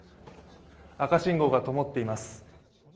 赤信号がともっています。